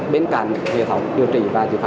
bên cạnh hệ thống điều trị